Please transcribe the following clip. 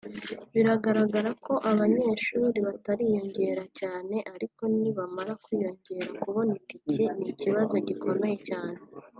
biragaragara ko abanyeshuri batariyongera cyane ariko nibamara kwiyongera kubona itiki ni ikibazo gikomeye cyane”